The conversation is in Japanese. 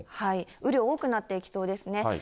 雨量多くなっていきそうですね。